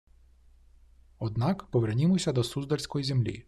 Однак повернімося до суздальської землі